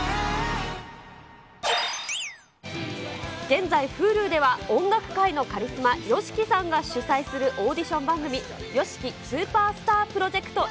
現在、Ｈｕｌｕでは音楽界のカリスマ、ＹＯＳＨＩＫＩさんが主催するオーディション番組、ＹＯＳＨＩＫＩＳＵＰＥＲＳＴＡＲＰＲＯＪＥＣＴＸを配信中。